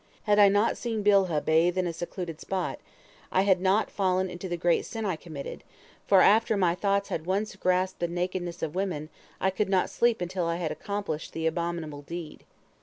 Had I not seen Bilhah bathe in a secluded spot, I had not fallen into the great sin I committed, for after my thoughts had once grasped the nakedness of woman, I could not sleep until I had accomplished the abominable deed.